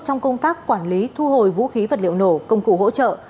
trong công tác quản lý thu hồi vũ khí vật liệu nổ công cụ hỗ trợ